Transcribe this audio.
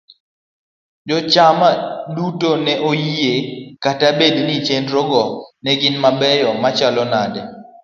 jochama duto ne oyie ni kata bed ni chenrogo ne gin mabeyo machalo nade.